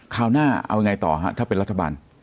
คราวหน้าเอายังไงต่อฮะถ้าเป็นรัฐบาล